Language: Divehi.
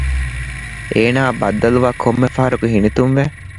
އޭނާއާއި ބައްދަލުވާ ކޮންމެ ފަހަރަކު ހިނިތުންވެ